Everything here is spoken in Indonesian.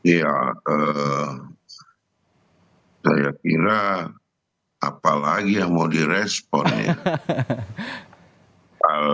ya saya kira apalagi yang mau direspon ya